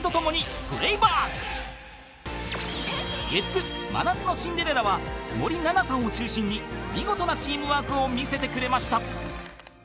［月９『真夏のシンデレラ』は森七菜さんを中心に見事なチームワークを見せてくれました］